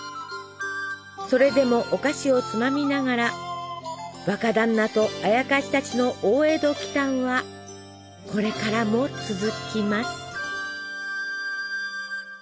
それでもお菓子をつまみながら若だんなとあやかしたちの大江戸奇たんはこれからも続きます。